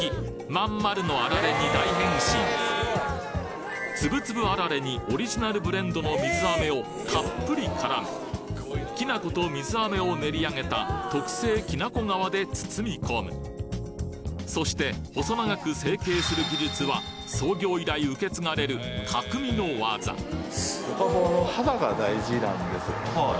まん丸のあられに大変身粒々あられにオリジナルブレンドの水飴をたっぷり絡めきな粉と水飴を練り上げた特製きな粉皮で包み込むそして細長く成形する技術は創業以来受け継がれる匠の技はい。